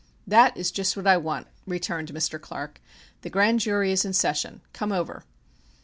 "That is just what I want," returned Mr. Clark, "the grand jury is in session. Come over."